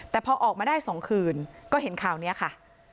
แต่พอออกมาได้๒คืนก็เห็นข่าวนี้ค่ะ